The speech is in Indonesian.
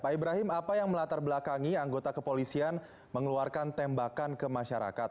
pak ibrahim apa yang melatar belakangi anggota kepolisian mengeluarkan tembakan ke masyarakat